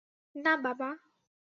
না, বাবা!